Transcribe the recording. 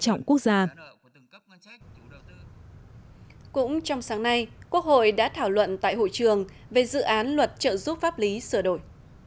hội đã thảo luận tại hội trường về dự án luật trợ giúp pháp lý sửa đổi